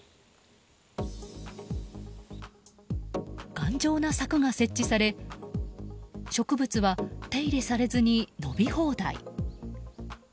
頑丈な柵が設置され植物は手入れされずに伸び放題。